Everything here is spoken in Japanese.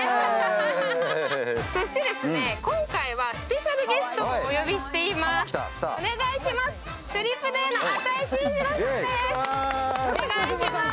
今回はスペシャルゲストもお呼びしています。